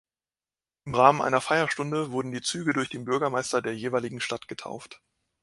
Im Rahmen einer Feierstunde wurden die Züge durch den Bürgermeister der jeweiligen Stadt getauft.